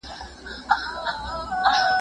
اوبه په ډانگ نه بېلېږي.